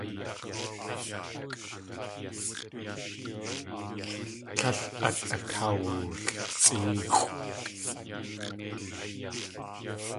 Tlél át akawulsʼéexʼw.